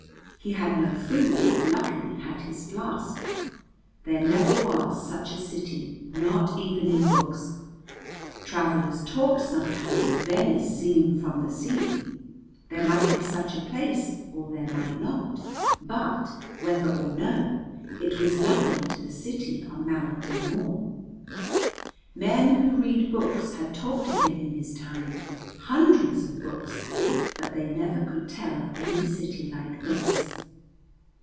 He had no food, but luckily had his flask. There never was such a city, not even in books. Travellers talked sometimes of Venice seen from the sea, there might be such a place or there might not, but, whether or no, it was nothing to the city on Mallington Moor. Men who read books had talked to him in his time, hundreds of books, but they never could tell of any city like this.